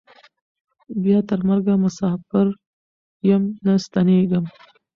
بیا تر مرګه مساپر یم نه ستنېږم